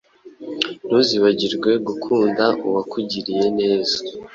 ntuzibagirwe gukunda uwakugiriye neza